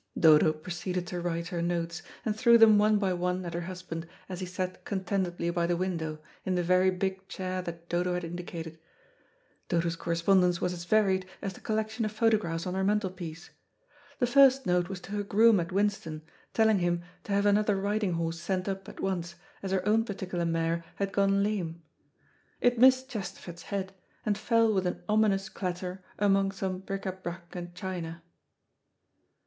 Dodo proceeded to write her notes, and threw them one by one at her husband as he sat contentedly by the window, in the very big chair that Dodo had indicated. Dodo's correspondence was as varied as the collection of photographs on her mantelpiece. The first note was to her groom at Winston, telling him to have another riding horse sent up at once, as her own particular mare had gone lame. It missed Chesterford's head, and fell with an ominous clatter among some bric à brac and china.